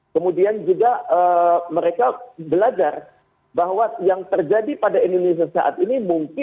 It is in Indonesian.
kemudian juga mereka belajar bahwa yang terjadi pada indonesia saat ini mungkin akan terjadi pada mereka